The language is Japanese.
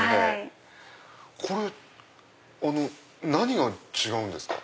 これ何が違うんですか？